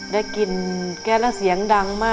ได้กลิ่นแก๊สแล้วเสียงดังมาก